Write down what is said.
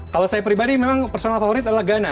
kalau saya pribadi memang personal favorit adalah ghana